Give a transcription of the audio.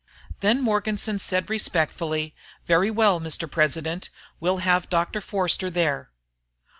Then Morganson said respectfully: "Very well, Mr. President. We'll have Doctor Forster there."